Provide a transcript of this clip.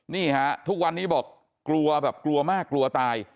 นี่ฮะทุกวันนี้บอกกลัวแบบกลัวมากกลัวตาย